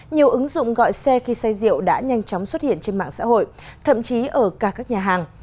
nhiều ứng dụng gọi xe khi say rượu đã nhanh chóng xuất hiện trên mạng xã hội thậm chí ở cả các nhà hàng